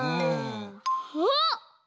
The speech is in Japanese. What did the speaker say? あっ！